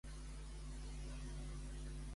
De què van culpar a Histieu?